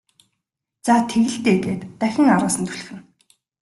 За тэг л дээ гээд дахин араас нь түлхэнэ.